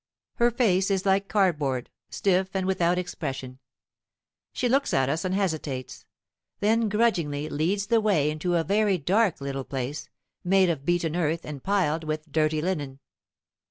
Her face is like cardboard, stiff and without expression. She looks at us and hesitates, then grudgingly leads the way into a very dark little place, made of beaten earth and piled with dirty linen.